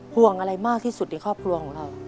ห่วงอะไรมากที่สุดในครอบครัวของเรา